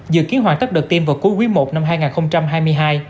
dự kiến hoàn tất đợt tiêm vào cuối quý i năm hai nghìn hai mươi hai